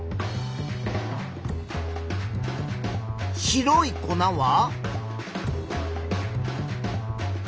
白い粉は？